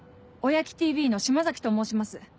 おやきＴＶの島崎と申します。